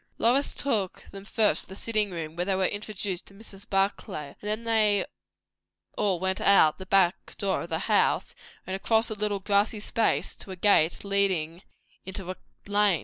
Lois took them first to the sitting room, where they were introduced to Mrs. Barclay, and then they all went out at the back door of the house, and across a little grassy space, to a gate leading into a lane.